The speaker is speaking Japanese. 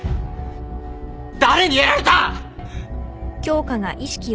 誰にやられた！？